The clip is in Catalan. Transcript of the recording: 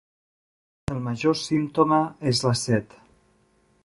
El major símptoma és la set.